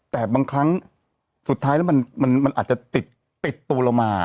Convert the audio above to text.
แต่บางครั้งสุดท้ายแล้วมันอาจจะติดตัวเรามา